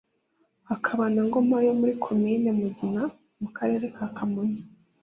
hakaba na Ngoma yo muri Komini Mugina (Mu karere ka Kamonyi )